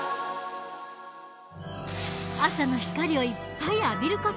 朝の光をいっぱい浴びる事。